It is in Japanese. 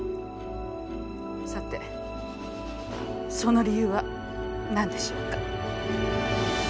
「さてその理由は何でしょうか？」。